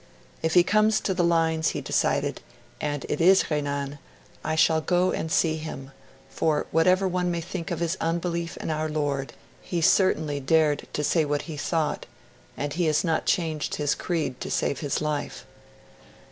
'If he comes to the lines,' he decided, 'and it is Renan, I shall go and see him, for whatever one may think of his unbelief in our Lord, he certainly dared to say what he thought, and he has not changed his creed to save his life.'